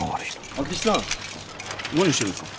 明智さん何してるんですか？